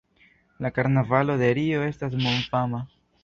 La karnavalo de Rio estas mondfama.